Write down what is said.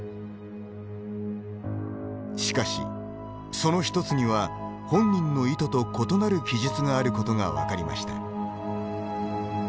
しかし、その１つには本人の意図と異なる記述があることが分かりました。